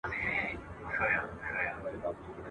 رښتیا باور پیدا کوي.